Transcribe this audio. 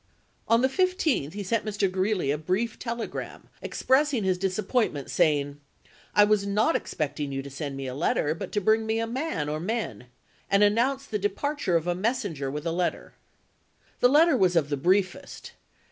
On the 15th he sent Mr. Greeley a brief telegram expressing his disap pointment, saying, "I was not expecting you to send me a letter, but to bring me a man or men," ms. and announced the departure of a messenger with a letter. The letter was of the briefest.